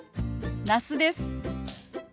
那須です。